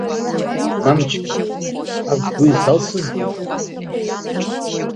Мамчка, усҟак, бгәы изалсызеи?!